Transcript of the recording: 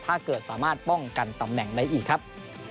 ถ้าเกิดสามารถป้องกันตำแหน่งได้อีกครับ